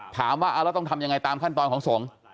ถามว่าต้องทำอย่างไรตามขั้นตอนของสงฆ์